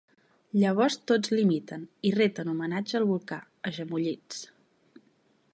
Llavors tots l'imiten i reten homenatge al volcà, agemolits.